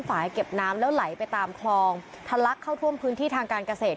ฝ่ายเก็บน้ำแล้วไหลไปตามคลองทะลักเข้าท่วมพื้นที่ทางการเกษตร